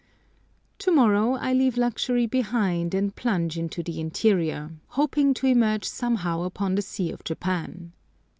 To morrow I leave luxury behind and plunge into the interior, hoping to emerge somehow upon the Sea of Japan.